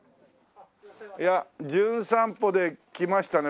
『じゅん散歩』で来ましたね